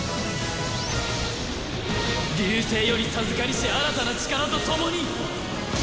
流星より授かりし新たな力とともに！